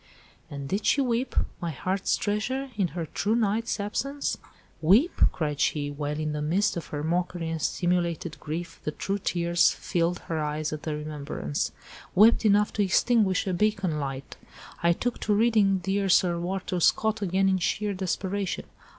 "And did she weep, my heart's treasure, in her true knight's absence?" "Weep?" cried she, while—in the midst of her mockery and simulated grief, the true tears filled her eyes at the remembrance, "'wept enough to extinguish a beacon light'—I took to reading dear Sir Walter Scott again in sheer desperation.